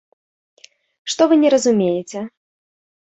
Што вы не разумееце?